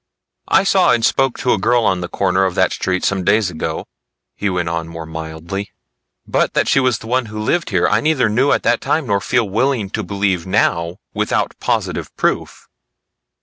"I saw and spoke to a girl on the corner of that street some days ago," he went on more mildly, "but that she was the one who lived here, I neither knew at the time nor feel willing to believe now without positive proof."